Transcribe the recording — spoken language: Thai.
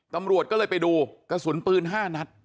ตำรวจก็เลยไปดูกระสุนปืน๕นัด